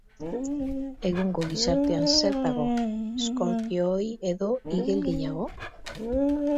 Egungo gizartean zer dago, eskorpioi edo igel gehiago?